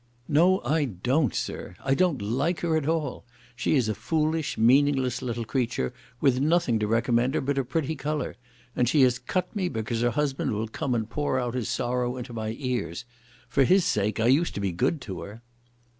"No, I don't, sir. I don't like her at all. She is a foolish, meaningless little creature, with nothing to recommend her but a pretty colour. And she has cut me because her husband will come and pour out his sorrow into my ears. For his sake I used to be good to her."